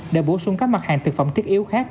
để bổ sung các mặt hàng thực phẩm thiết yếu khác